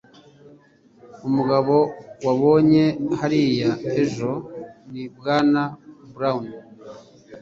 Umugabo wabonye hariya ejo ni Bwana Brown